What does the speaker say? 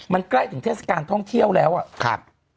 มันใกล้ถึงเทศกาลท่องเที่ยวแล้วอ่ะครับ